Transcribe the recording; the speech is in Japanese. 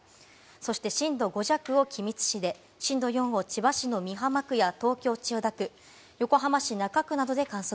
そして震度５弱を君津市で、震度４を千葉市の美浜区や東京・千代田区、横浜市中区などで観測。